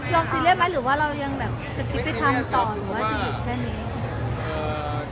ยอมซีเรียสไหมหรือว่าอะไรไปต่อ